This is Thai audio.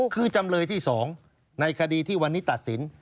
คือจำเลยที่๒ในคดีที่วันนี้ตัดสิน